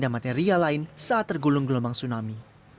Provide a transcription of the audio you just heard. dan material lain saat tergulung gelombang tsunami